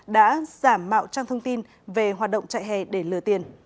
trong thông tin về hoạt động trại hè để lừa tiền